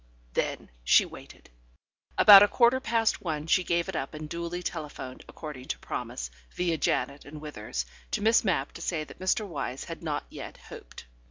Then she waited. About a quarter past one she gave it up, and duly telephoned, according to promise, via Janet and Withers, to Miss Mapp to say that Mr. Wyse had not yet hoped.